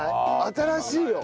新しいよ。